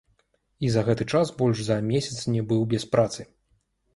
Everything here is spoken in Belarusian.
І за гэты час больш за месяц не быў без працы.